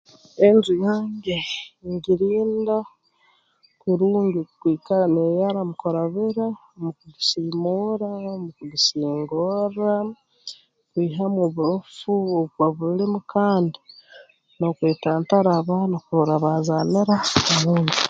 Enju yange ngirinda kurungi kwikara neeyera mu kurabira mu kugisiimuura mu kugisingorra kwihamu oburofu obuba obulimu kandi n'okwetantara abaana kurora baazanira aheeru